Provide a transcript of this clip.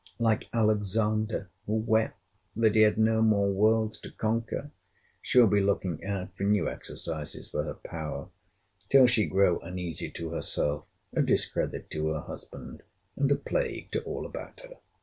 Like Alexander, who wept, that he had no more worlds to conquer, she will be looking out for new exercises for her power, till she grow uneasy to herself, a discredit to her husband, and a plague to all about her.